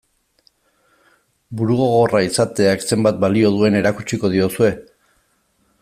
Burugogorra izateak zenbat balio duen erakutsiko diozue?